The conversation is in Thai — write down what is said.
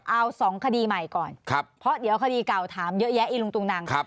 เอาสองคดีใหม่ก่อนเพราะเดี๋ยวคดีก่อนถามเยอะแยะ